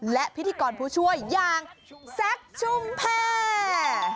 และพิธีกรผู้ช่วยอย่างแซคชุมแพร